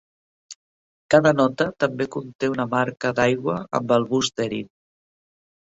Cada nota també conté una marca d'aigua amb el bust d'Erin.